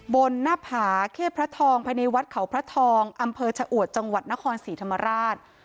หน้าผาเข้พระทองภายในวัดเขาพระทองอำเภอชะอวดจังหวัดนครศรีธรรมราช